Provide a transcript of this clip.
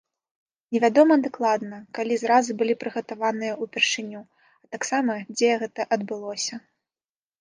Невядома дакладна, калі зразы былі прыгатаваныя ўпершыню, а таксама дзе гэта адбылося.